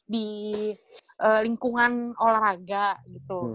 di lingkungan olahraga gitu